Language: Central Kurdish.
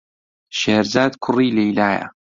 شێرزاد کوڕی لەیلایە.